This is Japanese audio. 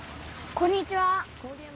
こんにちは。